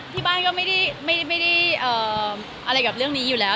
ที่บ้านหรอคะที่บ้านก็ไม่ได้อะไรกับเรื่องนี้อยู่แล้ว